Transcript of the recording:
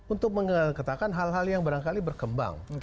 untuk mengatakan hal hal yang barangkali berkembang